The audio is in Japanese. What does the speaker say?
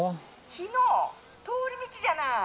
「日野通り道じゃない！